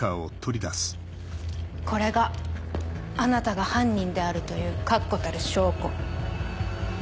これがあなたが犯人であるという確固たる証拠。